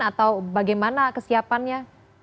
atau bagaimana kesiapannya